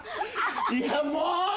いやもうー！